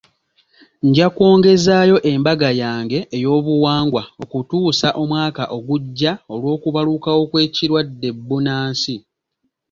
Nja kwongezaayo embaga yange ey'obuwangwa okutuusa omwaka ogujja olw'okubalukawo kw'ekirwadde bbunansi.